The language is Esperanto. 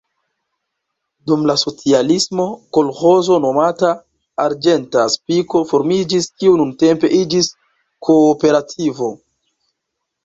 Dum la socialismo kolĥozo nomata "Arĝenta Spiko" formiĝis, kiu nuntempe iĝis kooperativo.